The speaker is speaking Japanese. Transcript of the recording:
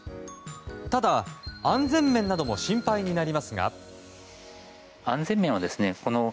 ただ、安全面なども心配になりますが。